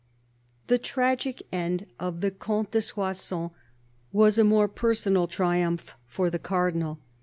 The tragic end of the Comte de Soissons was a more personal triumph for the Cardinal.